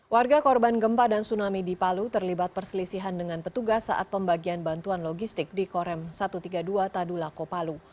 warga korban gempa dan tsunami di palu terlibat perselisihan dengan petugas saat pembagian bantuan logistik di korem satu ratus tiga puluh dua tadulako palu